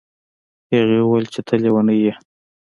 هغې وویل چې ته لیونی یې.